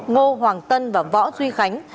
ngô hoàng tân và võ duy khánh